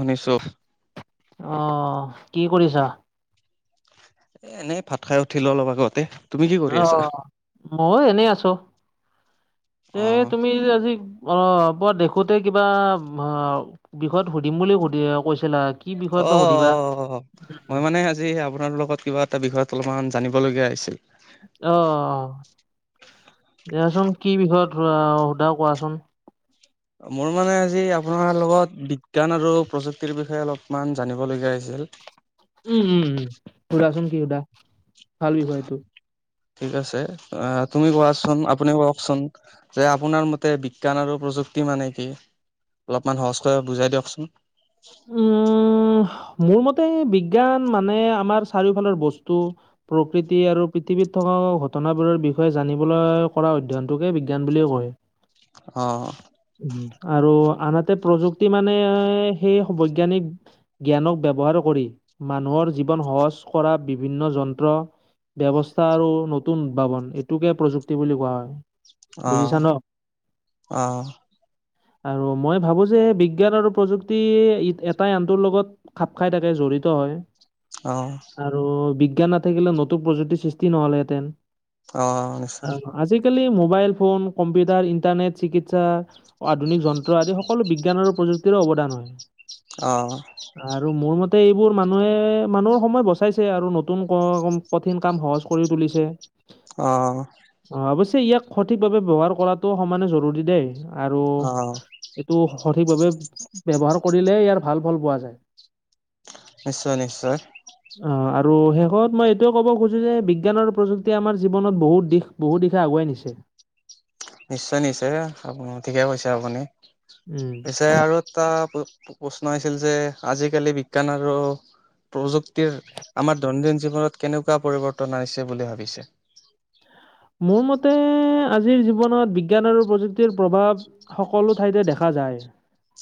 ঊনৈছশ অ কি কৰিছা এনেই ভাত খাই উঠিলোঁ অলপ আগতে তুমি কি কৰি অ আছা? ময় এনেই আছো এ অ তুমি আজি অ বই দেখোতে কিবা অ বিষয়ত সুধিম বুলি সুধি কৈছিলা কি বিষয়ত অ বা সুধিবা? অ উম, মই মানে আজি আপোনাৰ লগত কিবা এটা বিষয়ত অলপমান জানিবলগীয়া হৈছিল। অ' দিয়চোন কি বিষয়ত সোধা কোৱাচোন। মোৰ মানে আজি আপোনাৰ লগত বিজ্ঞান আৰু প্ৰযুক্তিৰ বিষয়ে অলপমান জানিবলগীয়া হৈছিল। উম, উম, উম সুধাচোন কি সুধা ভাল বিষয়টো। ঠিক আছে অ, তুমি কোৱাচোন আপুনি কওকচোন। যে আপোনাৰ মতে বিজ্ঞান আৰু প্ৰযুক্তি মানে কি অলপমান সহজকৈ বুজাই দিয়কচোন। উম, মোৰ মতে বিজ্ঞান মানে আমাৰ চাৰিওফালৰ বস্তু। প্ৰকৃতি আৰু পৃথিৱীত থকা ঘটনাবোৰৰ বিষয়ে জানিবলৈ কৰা অধ্যয়ন। এইটোকে বিজ্ঞান বুলিও কয়। অ',। আৰু আনহাতে প্ৰযুক্তি মানে সেই বৈজ্ঞানিক। জ্ঞানক ব্যবহাৰ কৰি মানুহৰ জীৱন সহজ কৰা বিভিন্ন যন্ত্ৰ। ব্যবস্থা আৰু নতুন উদ্ভাৱন এইটোকে প্ৰযুক্তি বুলি কোৱা হয়। বুজিছা অ', ন? অ '। আৰু মই ভাবোঁ যে বিজ্ঞান আৰু প্ৰযুক্তি। ই এটাই আনটোৰ লগত খাপ খাই থাকে জড়িত হয়। অ',। আৰু বিজ্ঞান নাথাকিলে নতুন প্ৰযুক্তিৰ সৃষ্টি নহ'লেহেঁতেন। অ', নিশ্চয়। অ', আজিকালি মোবাইল ফোন কম্পিউটাৰ ইণ্টাৰনেট চিকিৎসা। আধুনিক যন্ত্ৰ আদি সকলো বিজ্ঞান আৰু প্ৰযুক্তিৰে অৱদান হয়। অ',। আৰু মোৰ মতে এইবোৰ মানুহে মানুহৰ সময় বচাইছে আৰু নতুন ক। কঠিন কাম সহজ কৰি তুলিছে। অ',। অ অৱশ্যে ইয়াক সঠিকভাৱে ব্যৱহাৰ কৰাটো সমানে জৰুৰী দেই আৰু অ এইটো সঠিকভাৱে ব্যবহাৰ কৰিলে ইয়াৰ ভাল ফল পোৱা যায়। নিশ্চয়, নিশ্চয়। অ আৰু শেষত মই এইটোৱে ক'ব খোজো যে বিজ্ঞান আৰু প্ৰযুক্তিয়ে আমাৰ জীৱনত বহুত দিশ। বহুত দিশা আগুৱাই নিছে। নিশ্চয়, নিশ্চয় আপ ঠিকে কৈছে আপুনি। উম। পিছে আৰু এটা প্ৰশ্ন আহিছিল যে আজিকালি বিজ্ঞান আৰু প্ৰযুক্তিৰ আমাৰ দৈনন্দিন জীৱনত কেনেকুৱা পৰিৱৰ্তন আনিছে বুলি ভাবিছে? মোৰ মতে আজিৰ জীৱনত বিজ্ঞান আৰু প্ৰযুক্তিৰ প্ৰভাৱ সকলো ঠাইতে দেখা যায়।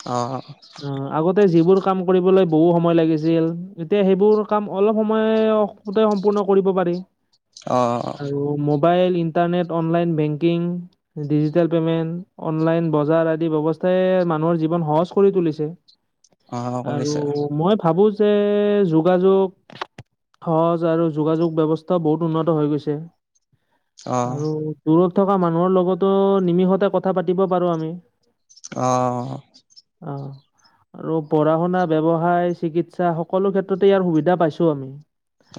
অ'। অ', আগতে যিবোৰ কাম কৰিবলৈ বহু সময় লাগিছিল এতিয়া সেইবোৰ কাম অলপ সময় গোটেই সম্পূৰ্ণ কৰিব পাৰি। অ'। আৰু mobile internet online banking digital payment online বজাৰ আদি ব্যৱস্থাই মানুহৰ জীৱন সহজ কৰি তুলিছে। অ আৰু কৰিছে মই ভাবো যে যোগাযোগ সহজ আৰু যোগাযোগ ব্যৱস্থাও বহুত উন্নত হৈ গৈছে। অ আৰু দূৰত থকা মানুহৰ লগতো নিমিষতে কথা পাতিব পাৰো আমি। অ'। অ'। আৰু পঢ়া শুনা ব্যৱসায় চিকিৎসা সকলো ক্ষেত্ৰতে ইয়াৰ সুবিধা পাইছো আমি।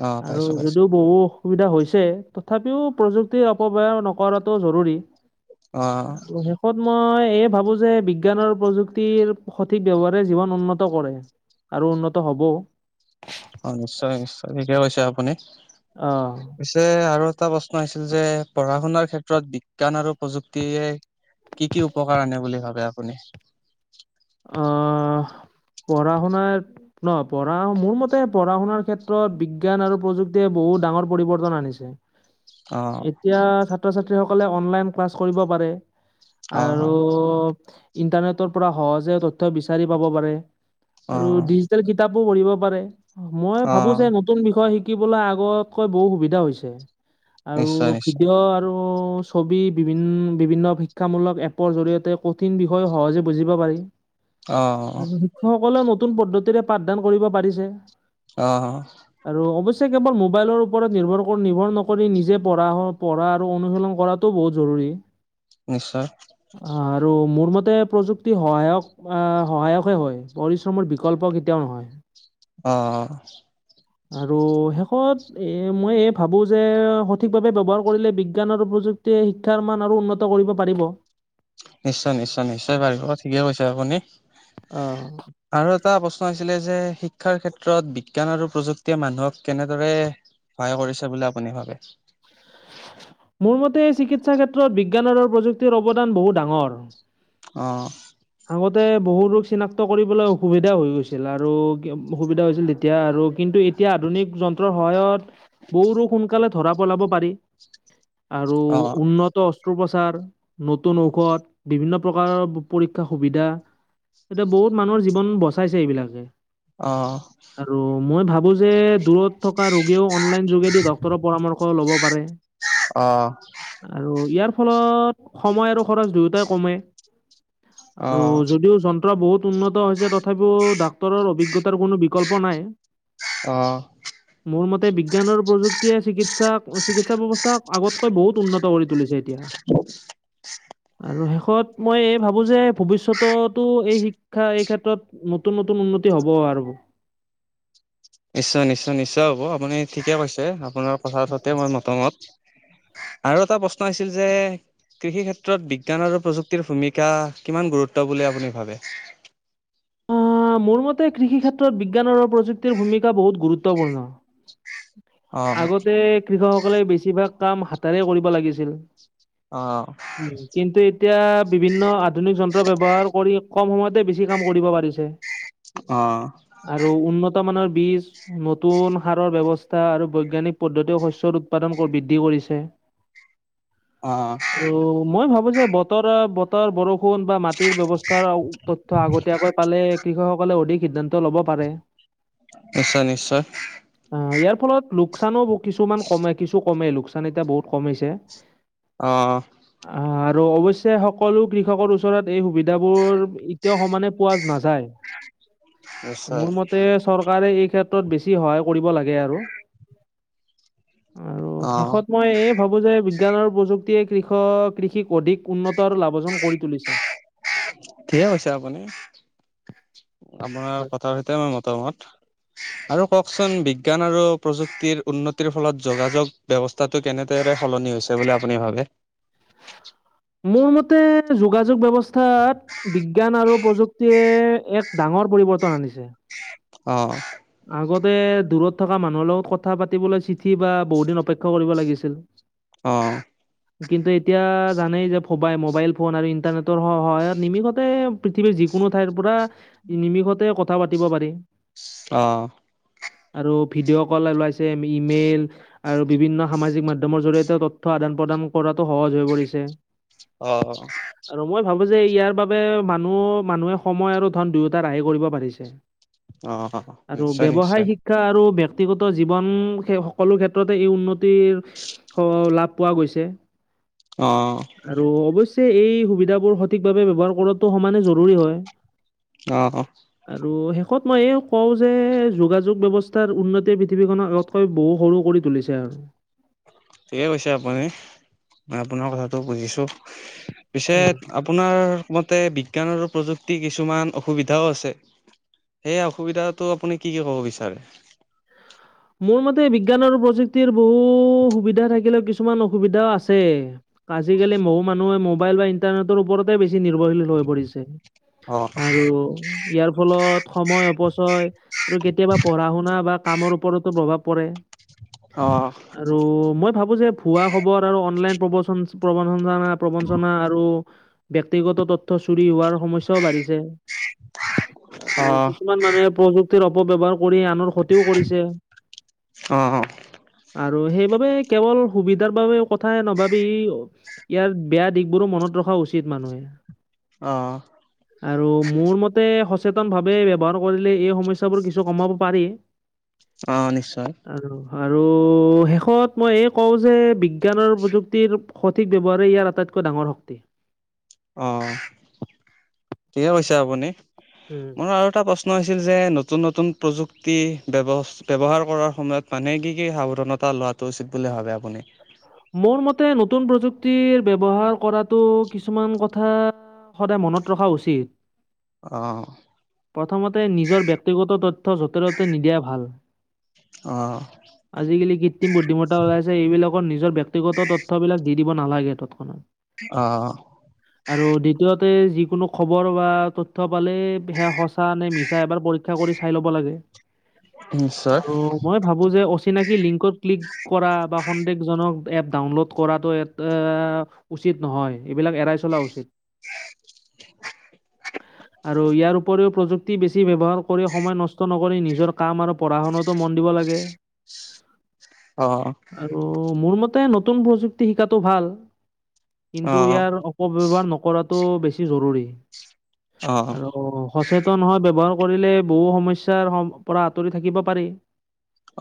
অ আৰু পাইছো পাইছো যদিও বহু সুবিধা হৈছে তথাপিও প্ৰযুক্তিৰ অপব্যৱহাৰ নকৰাটো জৰুৰী। অ আৰু শেষত মই এইয়ে ভাবো যে বিজ্ঞান আৰু প্ৰযুক্তি সঠিক ব্যৱহাৰে জীৱন উন্নত কৰে আৰু উন্নত হ'বও। অ', নিশ্চয় নিশ্চয় ঠিকে কৈছে আপুনি। অ'। পিছে আৰু এটা প্ৰশ্ন আহিছিল যে পঢ়া শুনাৰ ক্ষেত্ৰত বিজ্ঞান আৰু প্ৰযুক্তিয়ে কি কি উপকাৰ আনে বুলি ভাবে আপুনি? আহ পঢ়া শুনা ন পঢ়া মোৰ মতে পঢ়া শুনাৰ ক্ষেত্ৰত বিজ্ঞান আৰু প্ৰযুক্তিয়ে বহুত ডাঙৰ পৰিৱৰ্তন আনিছে। অ'। এতিয়া ছাত্ৰ ছাত্ৰীসকলে অনলাইন ক্লাছ কৰিব পাৰে অ আৰু ইণ্টাৰনেটৰ পৰা সহজে তথ্য বিচাৰি পাব পাৰে অ আৰু ডিজিটেল কিতাপো পঢ়িব পাৰে মই অ ভাবো যে নতুন বিষয় শিকিবলৈ আগতকৈ বহুত সুবিধা হৈছে। আৰু নিশ্চয় নিশ্চয় ভিডিঅ' আৰু ছবি বি বিভিন্ন শিক্ষামূলক এপৰ জৰিয়তে কঠিন বিষয় সহজে বুজিব পাৰি। অ'। সকলোৱে নতুন পদ্ধতিৰে পাঠদান কৰিব পাৰিছে। অহ। আৰু অৱশ্যে কেৱল মোবাইলৰ ওপৰত নিৰ্ভৰ নিৰ্ভৰ নকৰি নিজে পঢ়া পঢ়া আৰু অনুশীলন কৰা তো বহুত জৰুৰী। নিশ্চয়। অ', আৰু মোৰ মতে প্ৰযুক্তি সহায়ক সহায়কহে হয় পৰিশ্ৰমৰ বিকল্প কেতিয়াও নহয়। অ'। আৰু শেষত এ মই ভাবোঁ যে সঠিকভাৱে ব্যৱহাৰ কৰিলে বিজ্ঞান আৰু প্ৰযুক্তি শিক্ষাৰ মান আৰু উন্নত কৰিব পাৰিব। নিশ্চয় নিশ্চয় নিশ্চয় পাৰিব ঠিকে কৈছে আপুনি। অ'। আৰু এটা প্ৰশ্ন আছিলে যে শিক্ষাৰ ক্ষেত্ৰত বিজ্ঞান আৰু প্ৰযুক্তিয়ে মানুহক কেনেদৰে সহায় কৰিছে বুলি আপুনি ভাবে? মোৰ মতে এই চিকিৎসা ক্ষেত্ৰত বিজ্ঞান আৰু প্ৰযুক্তিৰ অৱদান বহু ডাঙৰ। অ'। আগতে বহু ৰোক চিনাক্ত কৰিবলৈ অসুবিধা হৈ গৈছিল আৰু অসুবিধা হৈছিল এতিয়া আৰু কিন্তু এতিয়া আধুনিক যন্ত্ৰৰ সহায়ত বহু ৰুগ সোনকালে ধৰা পেলাব পাৰি। আৰু অ উন্নত অত্ৰোপচাৰ নতুন ঔষধ বিভিন্ন প্ৰকাৰৰ পৰীক্ষা সুবিধা এতিয়া বহুত মানুহৰ জীৱন বচাইছে এইবিলাকে অ', আৰু মই ভাবো যে দূৰত থকা ৰোগীয়েও অনলাইন যোগেদি ডক্তৰৰ পৰামৰ্শ ল'ব পাৰে। অ', আৰু ইয়াৰ ফলত সময় আৰু খৰচ দুয়োটাই কমে। অ আৰু যদিও জন বহুত উন্নত হৈছে তথাপিও ডাক্তৰৰ অভিজ্ঞতাৰ কোনো বিকল্প নাই। অ', মোৰ মতে বিজ্ঞানৰ প্ৰযুক্তিয়ে চিকিৎসা চিকিৎসা ব্যৱস্থা আগতকৈ বহুত উন্নত কৰি তুলিছে এতিয়া। আৰু শেষত মই এই ভাবো যে ভৱিষ্যততো এই শিক্ষা এই ক্ষেত্ৰত নতুন নতুন উন্নতি হ'ব আৰু। নিশ্চয় - নিশ্চয় - নিশ্চয়, হ'ব আপুনি ঠিকে কৈছে আপোনাৰ কথাহতে মই মতামত। আৰু এটা প্ৰশ্ন আছিল যে কৃষি ক্ষেত্ৰত বিজ্ঞান আৰু প্ৰযুক্তিৰ ভূমিকা কিমান গুৰুত্ব বুলি আপুনি ভাবে? অ', মোৰ মতে কৃষি ক্ষেত্ৰত বিজ্ঞান আৰু প্ৰযুক্তিৰ ভূমিকা বহুত গুৰুত্বপূৰ্ণ। অ আগতে কৃষকসকলে বেছিভাগ কাম হাতেৰে কৰিব লাগিছিল অ', উ, কিন্তু এতিয়া বিভিন্ন আধুনিক যন্ত্ৰ ব্যৱহাৰ কৰি কম সময়তে বেছি কাম কৰিব পাৰিছে। অ', আৰু উন্নত মানৰ বীজ নতুন সাৰৰ ব্যয়ৱস্থা আৰু বৈজ্ঞানিক পদ্ধতিও হস্যৰ উৎপাদন বৃদ্ধি কৰিছে। অ', আৰু মই ভাবো যে বতৰ বতৰ বৰষুণ বা মাটিৰ ব্যৱস্থাৰ তথ্য আগতীয়াকৈ পালে কৃষকসকলে অধিক সিদ্ধান্ত ল'ব পাৰে। নিশ্চয় নিশ্চয় অ', ইয়াৰ ফলত লোকচানো কিছুমান কমে কিছু কমে লোকচান এতিয়া বহুত কমিছে। অ', অ', আৰু অৱশ্যে সকলো কৃষকৰ ওচৰত এই সুবিধাবোৰ এতিয়াও সমানে পোৱা নাযায়। নিশ্চয় মোৰ মতে চৰকাৰে এই ক্ষেত্ৰত বেছি সহায় কৰিব লাগে আৰু আৰু অ শেষত মই এই ভাবো যে বিজ্ঞানৰ প্ৰযুক্তিয়ে কৃষক কৃষিক অধিক উন্নত আৰু লাভজন কৰি তুলিছে। ঠিকে কৈছে আপুনি, আপোনাৰ কথাৰ সতে মই মতামত। আৰু কওকচোন বিজ্ঞান আৰু প্ৰযুক্তিৰ উন্নতিৰ ফলত যোগাযোগ ব্যৱস্থাটো কেনেদৰে সলনি হৈছে বুলি আপুনি ভাবে? মোৰ মতে যোগাযোগ ব্যৱস্থাত বিজ্ঞান আৰু প্ৰযুক্তিয়ে এক ডাঙৰ পৰিৱৰ্তন আনিছে। অ', আগতে দূৰত থকা মানুহৰ লগত কথা পাতিবলৈ চিঠি বা বহুত দিন অপেক্ষা কৰিব লাগিছিল অ', কিন্তু এতিয়া জানেই যে ফবাই মোবাইল ফোন আৰু ইন্টাৰনেটৰ স সহায়ত নিমিষতে পৃথিৱীৰ যিকোনো ঠাইৰ পৰা নিমিষতে কথা পাতিব পাৰি। অ', আৰু ভিডিঅ' কল ওলাইছে ইমেইল আৰু বিভিন্ন সামাজিক মাধ্যমৰ জৰিয়তে তথ্য আদান প্ৰদান কৰাতো সহজ হৈ পৰিছে। অ আৰু মই ভাবো যে ইয়াৰ বাবে মানুহ মানুহে সময় আৰু ধন দুয়োটা ৰাৰেহে কৰিব পাৰিছে অ আৰু নিশ্চয় ব্যৱসায় নিশ্চয় শিক্ষা আৰু ব্যয়ক্তিগত জীৱন সকলো ক্ষেত্ৰতে এই উন্নতিৰ লাভ পোৱা গৈছে অ আৰু অৱশ্যে এই সুবিধাাবোৰ সঠিকভাৱে ব্যৱহাৰ কৰাটো সমানে জ অ আৰু শেষত মই ক যে যোগাযোগ ব্যৱস্থাৰ উন্নতিয় পৃথিৱীখননৰ আগতকৈ বহু সৰু কৰি তুলিছে আৰু ঠিকে কৈছে আপুনি মই আপোনাৰ কথাটো বুজিছো পিছে উম, আপোনাৰ মতে বিজ্ঞান আৰু প্ৰযুক্তি কিছুমান অসুবিধাও আছে সেই অসুবিধাটো আপুনি কি কি ক'ব বিচাৰে মোৰ মতে বিজ্ঞান আৰু প্ৰযুক্তিৰ বহু সুবিধা থাকিলেও কিছু কিছুমান অসুবিধাও আছে আজিকালি বহু মানুহে মবাইল বা ইটাৰনেটৰ ওপৰতে বেছি নিৰ্ভৰশীল হৈ পৰিছে অ আৰু ইয়াৰ ফলত সময় অপচয় আৰু কেতিয়াবা পঢ়া শুনা বা কামৰ ওপৰত প্ৰভাৱ পৰে অ আৰু মই ভাবো যে ভুৱা খবৰ আৰু অনলাইন প্ৰ প্ৰবঞ্চনা প্ৰবঞ্চনা আৰু ব্যক্তিগত তথ্য চুৰি হোৱাৰ সমস্যাও বাঢ়িছে। আৰু অ কিছুমান মানুহে প্ৰযুক্তিৰ অপব্যৱহাৰ কৰি আ অ অ আৰু সেইবাবে কেৱল সুবিধাৰ বাবে কথাই নাভাবি। - ইয়াৰ বেয়া দিশবোৰো মনত ৰখা উচিত মানুহে। অ আৰু মোৰ মতে সচেতন ভাৱে ব্যৱহাৰ কৰিলে এই সমস্যাবোৰ কিছু কমাব পাৰি। অঁ নিশ্চয়। আৰু আৰু শেষত মই এই কওঁ যে বিজ্ঞান আৰু প্ৰযুক্তিৰ সঠিক ব্যৱহাৰেই ইয়াৰ আটাইতকৈ ডাঙৰ শক্তি। অ ঠিকে কৈছো আপুনি। উম মোৰ আৰু এটা প্ৰশ্ন হৈছিল যে নতুন নতুন প্ৰযুক্তি ব্যৱ -ব্যৱহাৰ কৰাৰ সময়ত- মানে কি কি সাৱধানতা লোৱাটো উচিত বুলি ভাবে আপুনি মোৰ মতে নতুন প্ৰযুক্তিৰ ব্যৱহাৰ কৰাতটো কিছুমান কথা। - সদায় মনত ৰখা উচিত। অ প্ৰথমতে নিজৰ ব্যক্তিগত তথ্য য'তে ত'তে নিদিয়া ভাল অঁ আজিকালি কৃত্ৰিম বুদ্ধিমত্তা ওলাইছে এইবিলাকৰ নিৰ ব্যয়ক্তিগত তথ্যবিলাক দি দিব নালাগে তৎক্ষণা। অ আৰু দ্বিতীয়তে যিকোনো খবৰ বা তথ্য পালে সেয়া সঁচা নে মিছা এবাৰ [unintelligible] চাই লব লাগে নিশ্চয় মই ভাবো যে অচিনাকি লিং ক্লিক কৰা বা সন্দেহজনক এপ ডাউনলোড কৰাটো এ উচিত নহয় এইবিলাক এৰাই চলা উচিত [unintelligible] [inaudible] আৰু ইয়াৰ উপৰিও প্ৰযুক্তি বেছি ব্যৱহাৰ কৰি সময় নষ্ট নকৰি নিজৰ কাম আৰু পঢ়া শুনাতো মন দিব লাগে। অ আৰু, মোৰ মতে নতুন প্ৰযুক্তি শিকাটো ভাল কিন্তু অ', ইয়াৰ অপব্যৱহাৰ নকৰাটো বেছি জৰুৰী অ', আৰু সচেতন হয়, ব্যৱহাৰ কৰিলে বহু সমস্যাৰ পৰা আঁতৰি থাকিব পাৰি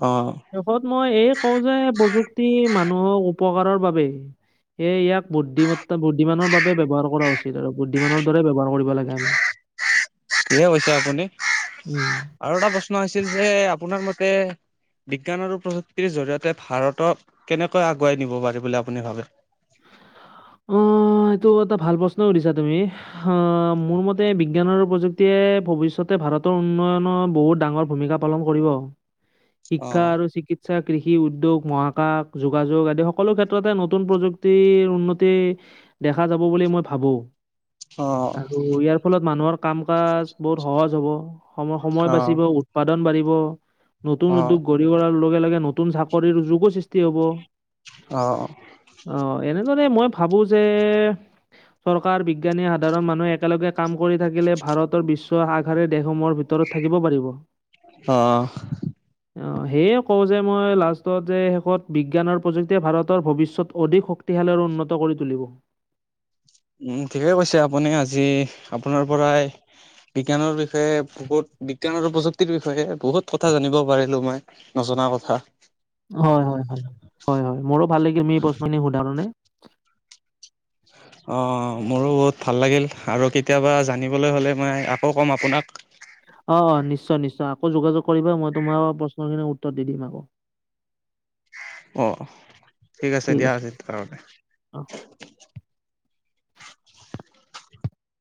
অ', শেষত মই এই কওঁ যে, প্ৰযুক্তি মানুহক উপকাৰৰ বাবে সে ইয়াক বুদ্ধিমত্তা বুদ্ধিমানৰ বাবে ব ব্যয়হাৰ কৰা উচিত, আৰু বুদ্ধিমানৰ দৰে ব ব্যৱহাৰ কৰি ঠিকে কৈছে আপুনি। [unintelligible] আমি উম আৰু এটা প্ৰশ্ন আছিল যে, আপোনাৰ মতে বিজ্ঞান আৰু প্ৰযুক্তিৰ জৰি়য়তে, ভাৰতক কেনেকৈ আগুৱাই নিব পাৰি বুলি আপুনি ভাবে অ', ইটো এটা ভাল প্ৰশ্ন সুধিছা তুমি মোৰ মতে বিজ্ঞান, আৰু প্ৰযুক্তিয়ে ভৱিষ্যতে ভাৰতৰ উন্নয়নৰ বহুত ডাঙৰ ভূমিকা পালন কৰিব শিক্ষা অ', আৰু চিকিৎ সা কৃষি উদ্যোগ, মহাকাশ, যোগাযোগ আদি সকলো ক্ষেত্ৰতে নতুন প্ৰযুক্তিৰ উন্নত দেখা যাব বুলি মই ভাবো, অ', আৰু ইয়াৰ - ফলত মানুহৰ, কাম-কাজবোৰ সহজ হব সময় সময় অ', বাচিব উৎপাদন বাঢ়িব নতুন অ', উদ্যোগ গঢ়ি [unintelligible] লগে লগে নতুন চাকৰিৰ যুগ সৃষ্টি হ'ব অ', অহ, এনেদৰে মই ভাবো যে চৰকাৰ বিজ্ঞানীয়ে সাধাৰণ মানুহে একেলগে কাম কৰি থাকিলে উতিতৰত থাকিব পাৰিব আহ, অ', সেয়ে কও যে মই লাষ্টত যে শেষত বিজ্ঞানৰ প্ৰযুক্তিয়ে ভাৰতৰ ভৱিষ্যত অধিক শক্তি তোহালৰ উন্নত কৰি তুলিব উম ঠিকে কৈছে আপুনি, আজি আপোনাৰ পৰাই বিজ্ঞানৰ বিষয়ে বহুত বিজ্ঞান, আৰু প্ৰযুক্তিৰ বিষয়ে বহুত কথা জানিব পাৰিলোঁ মই নজনা, কথা হয়, হয়, হয়, হয়, হয় মোৰো ভাল লাগিলমি এই পচিনি সুধৰণে অ, মোৰো বহুত ভাল লাগিল আৰু কেতিয়াবা, জানিবলৈ হ'লে মই আকৌ ক'ম আপোনাক অ', নিশ্চয়, নিশ্চয়, আকৌ যোগাযোগ কৰিবা মই তোমাৰ প্ৰশ্ন খিনি উত্তৰ দি দিম আকৌ অ', ঠিক আছে দিয়া [unintelligible] অ',